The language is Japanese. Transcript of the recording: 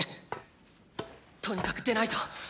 とにかく出ないと！